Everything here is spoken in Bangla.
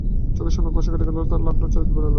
চোখের সামনে কুয়াশা কেটে যেতে লাগল-চারদিকে তীব্র আলো!